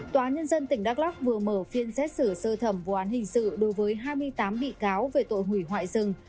tòa nhân dân tỉnh đắk lắc vừa mở phiên xét xử sơ thẩm vụ án hình sự đối với hai mươi tám bị cáo về tội hủy hoại rừng